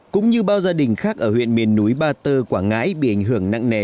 cũng như bao gia đình khác ở huyện miền núi ba tơ quảng ngãi bị ảnh hưởng nặng nề